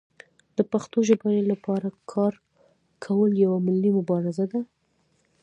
د پښتو ژبې لپاره کار کول یوه ملي مبارزه ده.